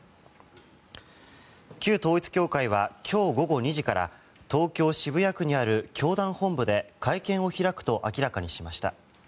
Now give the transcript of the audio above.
旧統一教会は今日午後２時から東京・渋谷区にある教団本部で会見を開くと明らかにしました。